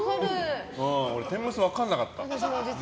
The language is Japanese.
俺、天むす分からなかった。